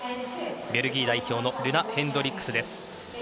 ベルギー代表のルナ・ヘンドリックス。